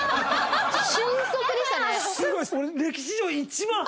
俊足でしたね。